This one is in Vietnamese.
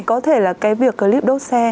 có thể là cái việc clip đốt xe